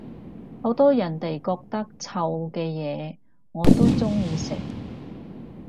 好多人哋覺得臭嘅嘢我都鍾意食